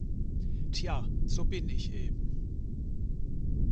Tja, so bin ich eben.